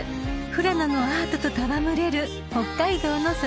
［富良野のアートと戯れる北海道の空旅です］